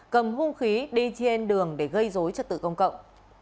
cầm hung khí đi trên đường để gây dối trật tự công cộng